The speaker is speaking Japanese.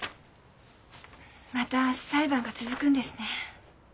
また裁判が続くんですね。